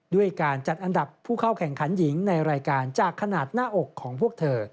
ด้วยการจัดอันดับผู้เข้าแข่งขันหญิงในรายการจากขนาดหน้าอกของพวกเธอ